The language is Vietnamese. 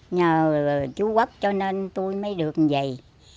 nhờ chú quốc cho nên tôi mới được như vậy